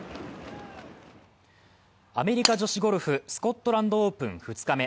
アメリカ女子ゴルフ、スコットランドオープン２日目。